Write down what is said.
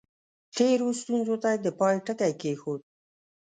تېرو ستونزو ته یې د پای ټکی کېښود.